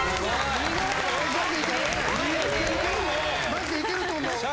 ・マジでいけると思う。